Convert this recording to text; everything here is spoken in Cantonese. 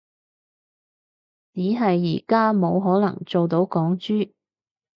只係而家冇可能做到港豬